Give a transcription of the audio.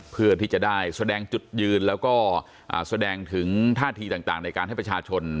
เพื่อที่จะได้แสดงจุดยืนแล้วก็แสดงถึงท่าทีต่างในการให้ประชาชน